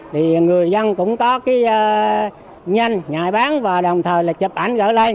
thì người dân cũng có cái nhanh ngại bán và đồng thời là chụp ảnh gỡ lên